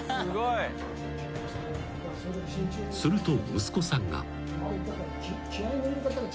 ［すると息子さんが］